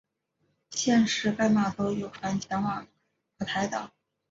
现时该码头有船前往蒲台岛。